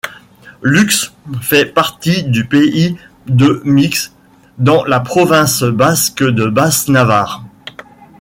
Luxe fait partie du pays de Mixe, dans la province basque de Basse-Navarre.